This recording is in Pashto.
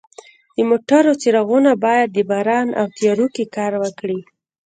د موټرو څراغونه باید د باران او تیارو کې کار وکړي.